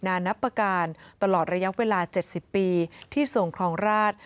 นานับประการตลอดระยะเวลา๗๐ปีที่ทรงครองราช